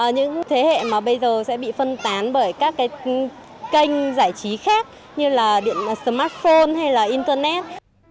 những thế hệ mà bây giờ sẽ bị phân tán bởi các cái kênh giải trí khác như là điện smartphone hay là internet